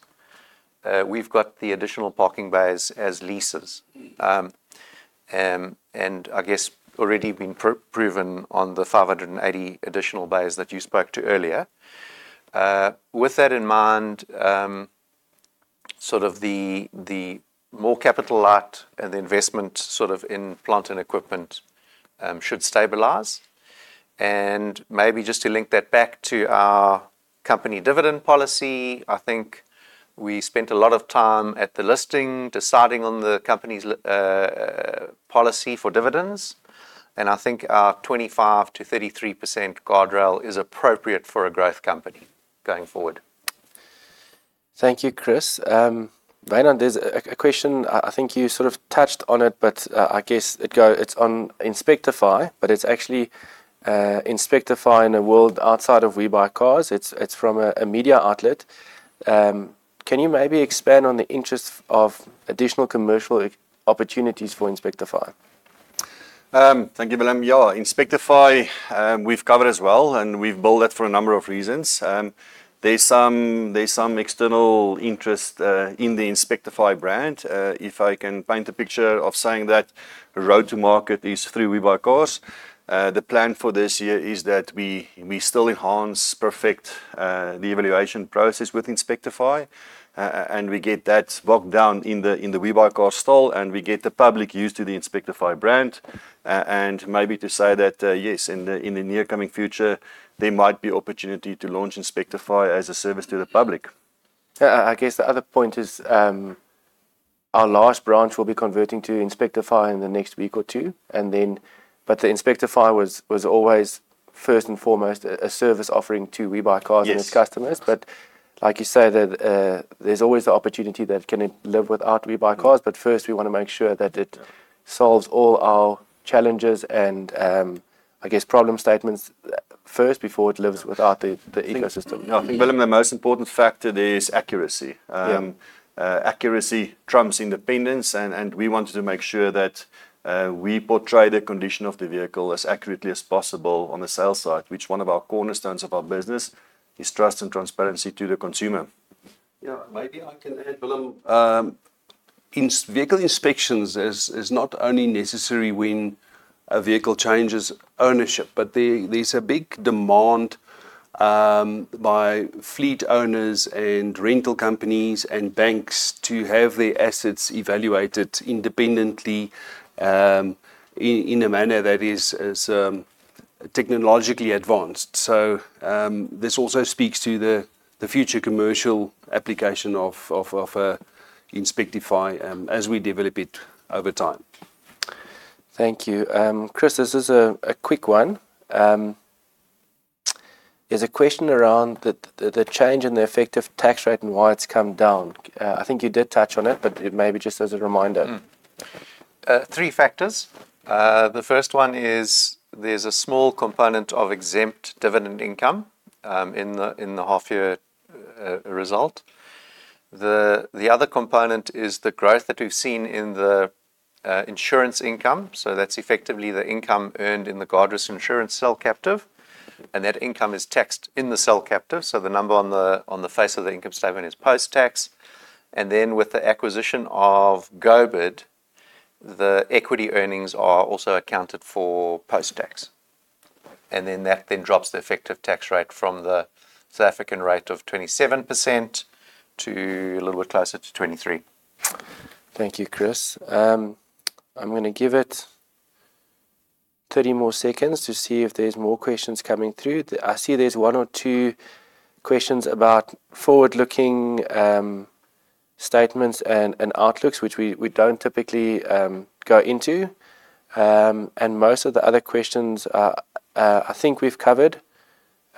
we've got the additional parking bays as leases. I guess already been pro-proven on the 580 additional bays that you spoke to earlier. With that in mind, sort of the more capital light and the investment sort of in plant and equipment, should stabilize. Maybe just to link that back to our company dividend policy, I think we spent a lot of time at the listing deciding on the company's policy for dividends, and I think our 25% to 33% guardrail is appropriate for a growth company going forward. Thank you, Chris. Wynand, there's a question, I think you sort of touched on it, but I guess it's on Inspectify, but it's actually Inspectify in the world outside of WeBuyCars. It's from a media outlet. Can you maybe expand on the interest of additional commercial opportunities for Inspectify? Thank you, Willem. Ja. Inspectify, we've covered as well and we've built that for a number of reasons. There's some external interest in the Inspectify brand. If I can paint a picture of saying that road to market is through WeBuyCars, the plan for this year is that we still enhance, perfect the evaluation process with Inspectify, and we get that locked down in the WeBuyCars stall, and we get the public used to the Inspectify brand. Maybe to say that, yes, in the near coming future, there might be opportunity to launch Inspectify as a service to the public. I guess the other point is, our last branch will be converting to Inspectify in the next week or two. The Inspectify was always first and foremost a service offering to WeBuyCars. Yes And its customers. Like you say, that, there's always the opportunity that it can live without WeBuyCars. First we wanna make sure that. Yeah Solves all our challenges and, I guess, problem statements, first before it lives without the ecosystem. Yeah, I think, Willem, the most important factor there is accuracy. Yeah. Accuracy trumps independence and we wanted to make sure that we portray the condition of the vehicle as accurately as possible on the sales side. Which one of our cornerstones of our business is trust and transparency to the consumer. Yeah. Maybe I can add, Willem, vehicle inspections is not only necessary when a vehicle changes ownership, but there's a big demand by fleet owners and rental companies and banks to have their assets evaluated independently, in a manner that is as technologically advanced. This also speaks to the future commercial application of Inspectify, as we develop it over time. Thank you. Chris, this is a quick one. There's a question around the, the change in the effective tax rate and why it's come down. I think you did touch on it, but it may be just as a reminder. Three factors. The first one is there's a small component of exempt dividend income in the half year result. The other component is the growth that we've seen in the insurance income, so that's effectively the income earned in the Guardrisk insurance cell captive, and that income is taxed in the cell captive. So the number on the face of the income statement is post-tax. With the acquisition of GoBid, the equity earnings are also accounted for post-tax, that then drops the effective tax rate from the South African rate of 27% to a little bit closer to 23%. Thank you, Chris. I'm gonna give it 30 more seconds to see if there's more questions coming through. I see there's one or two questions about forward-looking statements and outlooks, which we don't typically go into. Most of the other questions are, I think we've covered.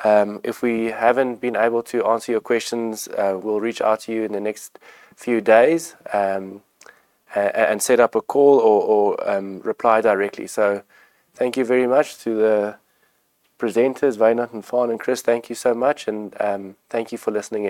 If we haven't been able to answer your questions, we'll reach out to you in the next few days and set up a call or reply directly. Thank you very much to the presenters. Wynand and Faan and Chris, thank you so much. Thank you for listening.